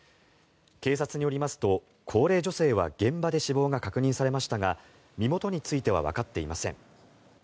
警察によりますと、高齢女性は現場で死亡が確認されましたが身元についてはわかっていません。